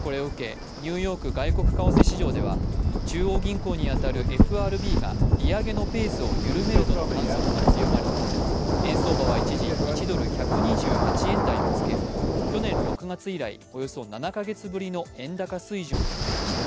これを受け、ニューヨーク外国為替市場では中央銀行に当たるＦＲＢが利上げのペースを緩めるとの観測が強まり円相場は一時１ドル＝１２８円台をつけ去年６月以来およそ７か月ぶりの円高水準となりました。